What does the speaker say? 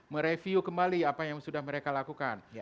mereview kembali apa yang sudah mereka lakukan